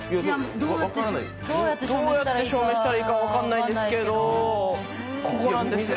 どうやって証明したらいいか分かんないですけど、ここなんですよ。